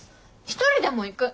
一人でも行く！